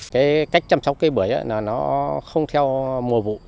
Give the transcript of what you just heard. cách chăm sóc cây bưởi không theo mùa vụ